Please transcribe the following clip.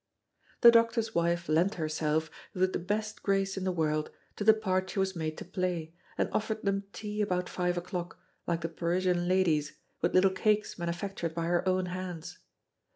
The doctor's wife lent herself, with the best grace in the world, to the part she was made to play, and offered them tea about five o'clock, like the Parisian ladies, with little cakes manufactured by her own hands.